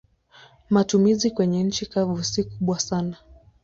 Matumizi kwenye nchi kavu si kubwa sana.